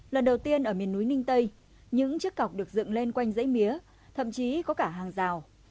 lần đầu tiên ở miền núi ninh tây những chiếc cọc được dựng lên quanh dãy mía thậm chí có cả hàng rào